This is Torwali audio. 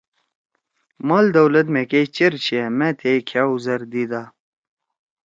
مال دولت مھیکش چیر چھیا ما تھیئے کھیأو زر دیدا۔